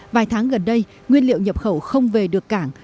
vài tháng gần đây nguyên liệu nhập khẩu không về được cảng